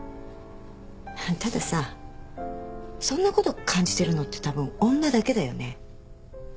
たださそんなこと感じてるのってたぶん女だけだよね。